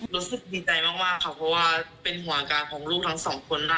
รู้สึกดีใจมากค่ะเพราะว่าเป็นห่วงอาการของลูกทั้งสองคนได้